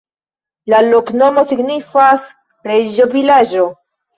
La loknomo signifas: reĝo-vilaĝo.